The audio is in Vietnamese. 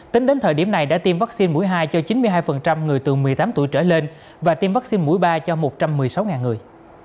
tính đến thời điểm này đã tiêm vaccine mũi hai cho chín mươi hai người từ một mươi tám tuổi trở lên và tiêm vaccine mũi ba cho một trăm một mươi sáu người